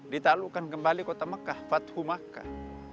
ditalukan kembali kota makkah fatuhu makkah